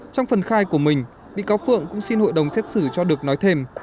trong phần khai của mình bị cáo phượng cũng xin hội đồng xét xử cho được nói thêm